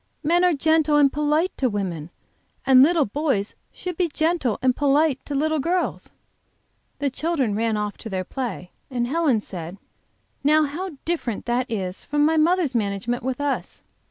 Men are gentle and polite to women, and little boys should be gentle and polite to little girls." The children ran off to their play, and Helen said, "Now how different that is from my mother's management with us!